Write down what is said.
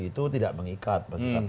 itu tidak mengikat